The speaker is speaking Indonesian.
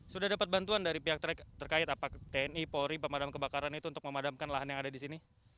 sudah dapat bantuan dari pihak terkait apa tni polri pemadam kebakaran itu untuk memadamkan lahan yang ada di sini